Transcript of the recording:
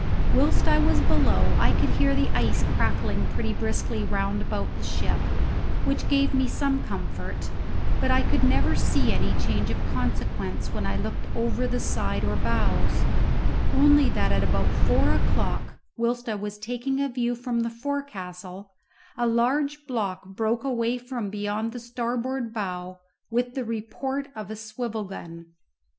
Whilst I was below I could hear the ice crackling pretty briskly round about the ship, which gave me some comfort; but I could never see any change of consequence when I looked over the side or bows, only that at about four o'clock, whilst I was taking a view from the forecastle, a large block broke away from beyond the starboard bow with the report of a swivel gun.